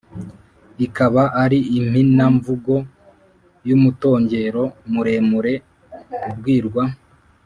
ikaba ari impina-mvugo y'umutongero muremure ubwirwa